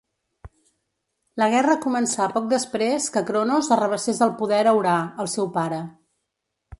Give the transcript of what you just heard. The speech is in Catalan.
La guerra començà poc després que Cronos arrabassés el poder a Urà, el seu pare.